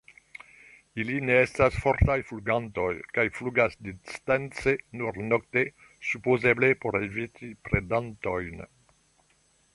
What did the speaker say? Ili ne estas fortaj flugantoj kaj flugas distance nur nokte, supozeble por eviti predantojn.